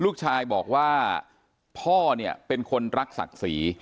ลูกชายบอกว่าพ่อเนี่ยเป็นคนรักศักดิ์ศรี